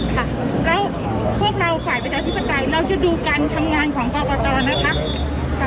ค่ะแล้วพวกเราฝ่ายประชาธิปไตยเราจะดูการทำงานของกรกตนะคะ